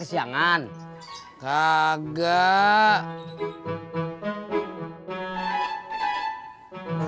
mendingan bantuin gue